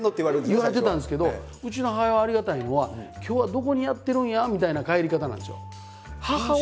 言われてたんですけどうちの母親はありがたいのは「今日はどこにやってるんや？」みたいな帰り方なんですよ。